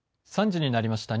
３時になりました。